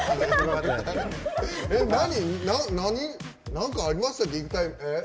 何？なんかありましたっけ？